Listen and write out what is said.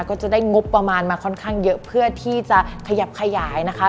ก็จะได้งบประมาณมาค่อนข้างเยอะเพื่อที่จะขยับขยายนะคะ